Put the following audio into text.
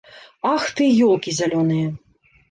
Ах ты, ёлкі зялёныя.